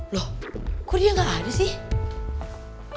loh kok dia gak ada sih